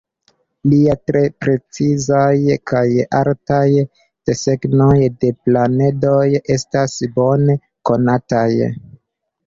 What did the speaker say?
Lia tre precizaj kaj artaj desegnoj de planedoj estas bone konataj.